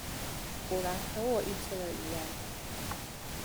果然和我的預測一樣